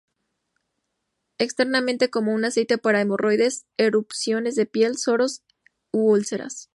Externamente como un aceite para hemorroides, erupciones de piel, soros u úlceras.